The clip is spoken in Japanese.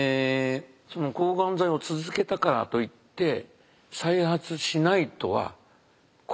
抗がん剤を続けたからといって再発しないとはこれは約束できない。